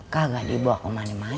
kagak dibawa ke mane mane play